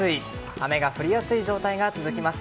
雨が降りやすい状態が続きます。